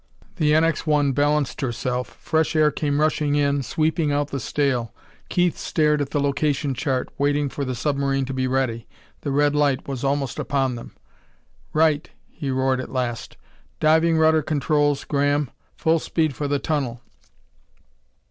The NX 1 balanced herself; fresh air came rushing in, sweeping out the stale. Keith stared at the location chart, waiting for the submarine to be ready. The red light was almost upon them. "Right!" he roared at last. "Diving rudder controls, Graham! Full speed for the tunnel!"